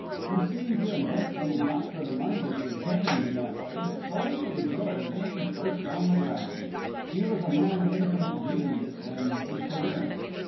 He seemed to invent things not for the money to be obtained in that way, but solely for the joy of being first on the ground. He was a man of infinite genius and perseverance.